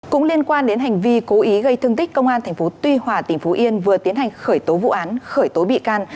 cũng liên quan đến hành vi cố ý gây thương tích công an tp tuy hòa tỉnh phú yên vừa tiến hành khởi tố vụ án khởi tố bị can